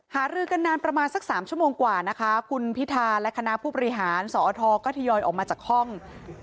หารือกันนานประมาณ๓ชั่วโมงกว่าคุณพิทาคุณพิธาฯกับคณะผู้บริหารสอรทธทอยออกมาจากห้องบรรยากาศชื่นมื่น